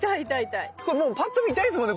これもうぱっと見痛いですもんね